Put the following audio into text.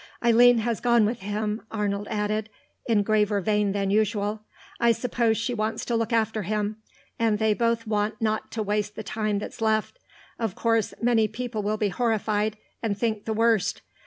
"Eileen has gone with him," Arnold added, in graver vein than usual. "I suppose she wants to look after him, and they both want not to waste the time that's left.... Of course, many people will be horrified, and think the worst.